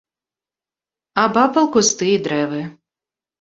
Абапал кусты і дрэвы.